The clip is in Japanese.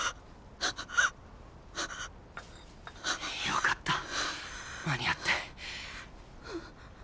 よかった間に合って。